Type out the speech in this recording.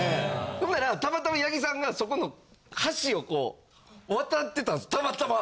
ほんならたまたま八木さんがそこの橋をこう渡ってたんですたまたま。